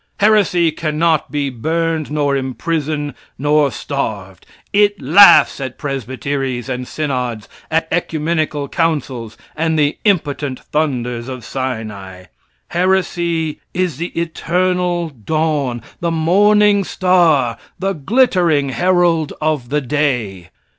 Heresy can not be burned, nor imprisoned, nor starved. It laughs at presbyteries and synods, at Ecumenical councils and the impotent thunders of Sinai. Heresy is the eternal dawn, the morning star, the glittering herald of the day.